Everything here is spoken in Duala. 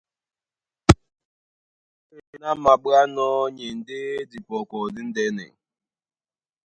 Púe ná māɓwánɔ́ í e ndé dipɔkɔ díndɛ́nɛ.